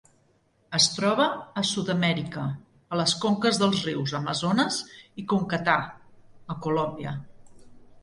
Es troba a Sud-amèrica, a les conques dels rius Amazones i Caquetá a Colòmbia.